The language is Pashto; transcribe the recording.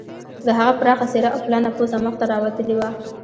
د هغه پراخه څیره او پلنه پوزه مخ ته راوتلې وه